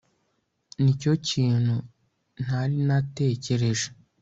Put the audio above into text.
Nicyo kintu ntari natekereje